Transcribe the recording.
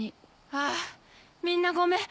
あぁみんなごめん。